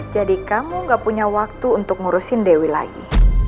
jadi kamu gak punya waktu untuk ngurusin dewi lagi